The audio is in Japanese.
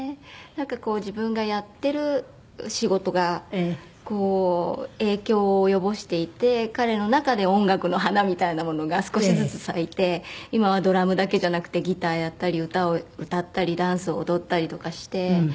なんかこう自分がやってる仕事が影響を及ぼしていて彼の中で音楽の花みたいなものが少しずつ咲いて今はドラムだけじゃなくてギターやったり歌を歌ったりダンスを踊ったりとかして。